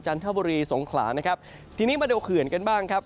จันทบุรีสงขลาทีนี้มาดูเขื่อนกันบ้างครับ